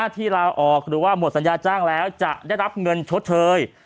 ที่ลาออกหรือว่าหมดสัญญาจ้างแล้วจะได้รับเงินชดเชย